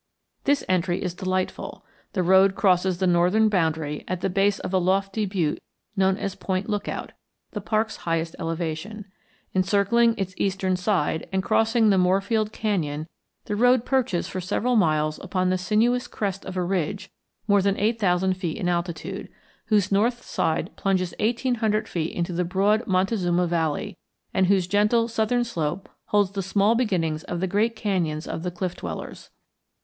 This entry is delightful. The road crosses the northern boundary at the base of a lofty butte known as Point Lookout, the park's highest elevation. Encircling its eastern side and crossing the Morefield Canyon the road perches for several miles upon the sinuous crest of a ridge more than eight thousand feet in altitude, whose north side plunges eighteen hundred feet into the broad Montezuma Valley, and whose gentle southern slope holds the small beginnings of the great canyons of the cliff dwellers.